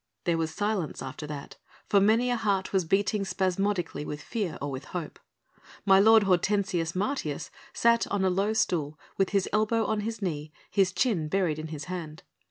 There was silence after that, for many a heart was beating spasmodically with fear or with hope. My lord Hortensius Martius sat on a low stool, with his elbow on his knee, his chin buried in his hand.